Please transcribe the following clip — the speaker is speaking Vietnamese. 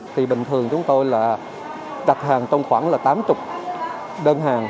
thì bình thường chúng tôi là đặt hàng trong khoảng là tám mươi đơn hàng